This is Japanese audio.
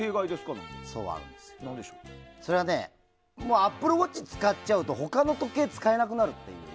アップルウォッチを使っちゃうと他の時計、使えなくなるっていう。